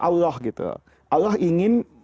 allah gitu allah ingin